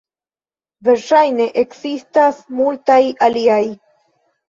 Verŝajne ekzistas multaj aliaj.